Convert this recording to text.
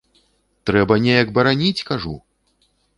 Трэба неяк бараніць!- кажу.